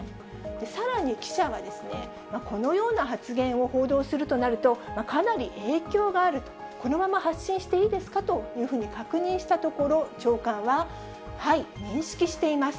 さらに記者が、このような発言を報道するとなると、かなり影響があると、このまま発信していいですか？というふうに確認したところ、長官は、はい、認識しています。